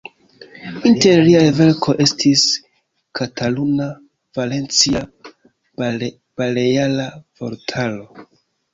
Inter liaj verkoj estis "Kataluna-Valencia-Baleara Vortaro".